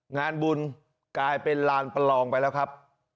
งานบุญกลายเป็นลานประลองไปแล้วครับ